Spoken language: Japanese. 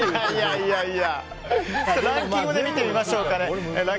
ランキングで見てみましょう。